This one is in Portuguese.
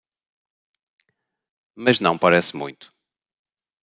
Mas não parece muito.